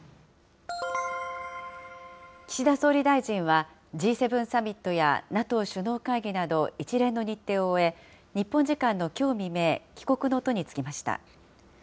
岸田総理大臣は、Ｇ７サミットやＮＡＴＯ首脳会議など、一連の日程を終え、日本時間のきょう未明、帰国の途に就きました。